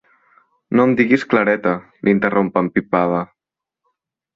No em diguis Clareta —l'interromp empipada—.